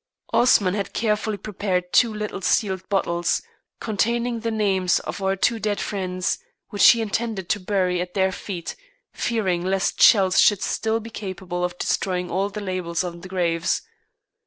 Osman had carefully prepared two little sealed bottles, containing the names of our two dead friends, which he intended to bury at their feet, fearing lest shells should still be capable of destroying all the labels on the graves.